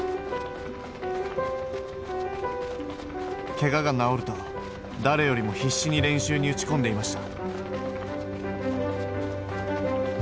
けがが治ると、誰よりも必死に練習に打ち込んでいました。